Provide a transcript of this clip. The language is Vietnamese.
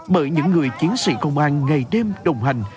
bởi những người chiến sĩ công an ngày đêm đồng hành